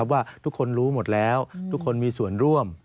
ว่าทุกคนรู้หมดแล้วทุกคนมีส่วนร่วม